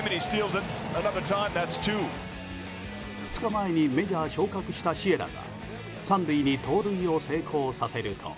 ２日前にメジャー昇格したシエラが３塁に盗塁を成功させると。